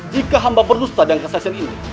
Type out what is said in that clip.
jika hamba bernusta dengan kesahian ini